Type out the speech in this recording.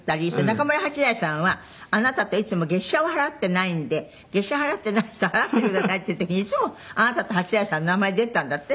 中村八大さんはあなたといつも月謝を払っていないんで月謝払っていない人払ってくださいっていう時にいつもあなたと八大さんの名前出ていたんだって？